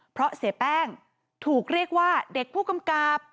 เพราะเสียแป้งถูกเรียกว่าเด็กผู้กำกับ